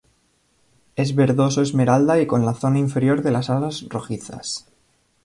Es verdoso esmeralda y con la zona inferior de las alas rojizas.